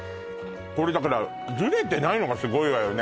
これだからズレてないのがすごいわよね